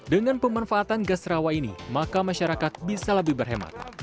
dengan pemanfaatan gas rawa ini maka masyarakat bisa lebih berhemat